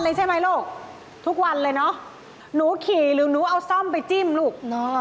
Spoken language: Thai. ลูกทุกวันเลยนะหนูขี่หรือหนูเอาซ่อมไปจิ้มลูก